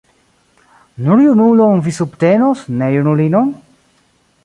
Nur junulon vi subtenos, ne junulinon?